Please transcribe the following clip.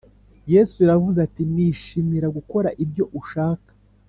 yesu Yaravuze ati, “Nishimira gukora ibyo ushaka,